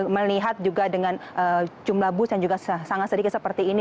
melihat juga dengan jumlah bus yang juga sangat sedikit seperti ini